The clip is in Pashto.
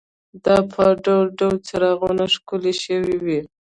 دا په ډول ډول څراغونو ښکلې شوې وې.